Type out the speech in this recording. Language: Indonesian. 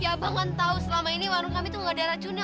ya abang kan tahu selama ini warung kami itu mengada racunnya